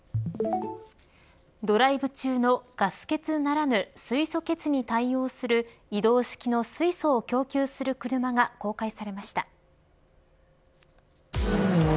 ドライブ中のガス欠、ならぬ水素欠に対応する移動式の水素を供給する車が公開されました。